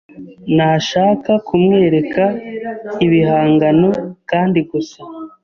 Nashaka kumwereka ibihangano kandi gusa